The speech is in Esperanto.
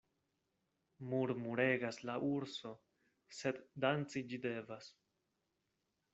Murmuregas la urso, sed danci ĝi devas.